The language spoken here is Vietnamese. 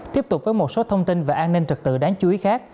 tiếp tục với một số thông tin về an ninh trật tự đáng chú ý khác